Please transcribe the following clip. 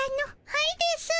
はいですぅ。